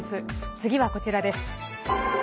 次はこちらです。